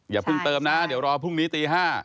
อย่าเพิ่งเติมนะเดี๋ยวรอพรุ่งนี้ตี๕